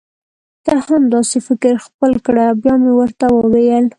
ته هم دا سي فکر خپل کړه بیا مي ورته وویل: